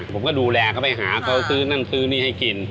ผมก็ดูแลเขาไปหาเขาซื้อนั่นซื้อนี่ให้กิน